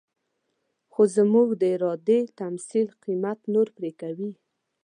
خو زموږ د ارادې تمثيل قيمت نور پرې کوي.